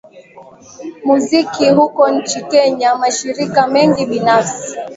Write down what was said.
muziki huko nchini kenya mashirika mengi binafsi